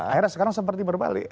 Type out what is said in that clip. akhirnya sekarang seperti berbalik